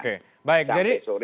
oke baik jadi